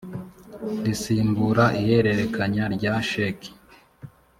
risimbura ihererekanya rya sheki